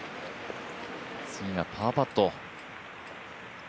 次がパーパット。